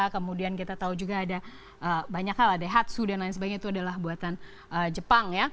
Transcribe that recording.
kemudian kita tahu juga ada banyak hal ada hatsu dan lain sebagainya itu adalah buatan jepang ya